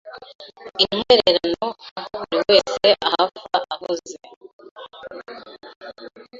intwererano Aho buri wese ahava avuze